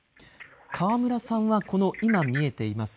河村さんは今、見えています